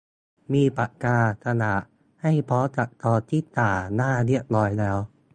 มีปากกา กระดาษ ให้พร้อมกับซองที่จ่าหน้าเรียบร้อยแล้ว